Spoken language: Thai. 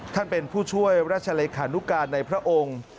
ท่านเป็นผู้ช่วยราชเลขานุการในพระองค์